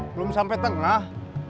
belum sampai tengah